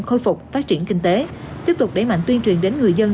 khôi phục phát triển kinh tế tiếp tục đẩy mạnh tuyên truyền đến người dân